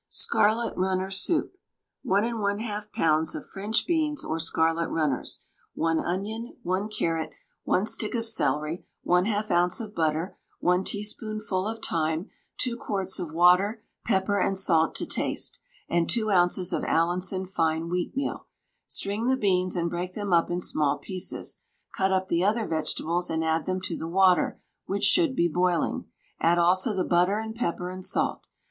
SCARLET RUNNER SOUP. 1 1/2 lbs. of French beans or scarlet runners, 1 onion, 1 carrot, 1 stick of celery, 1/2 oz. of butter, 1 teaspoonful of thyme, 2 quarts of water, pepper and salt to taste, and 2 oz. of Allinson fine wheatmeal. String the beans and break them up in small pieces, cut up the other vegetables and add them to the water, which should be boiling; add also the butter and pepper and salt.